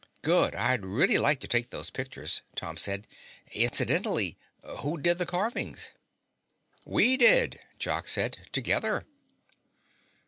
"Good, I'd really like to take those pictures," Tom said. "Incidentally, who did the carvings?" "We did," Jock said. "Together."